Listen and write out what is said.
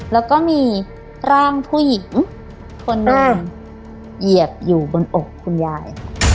แล้วก็มีร่างผู้หญิงคนหนึ่งเหยียบอยู่บนอกคุณยาย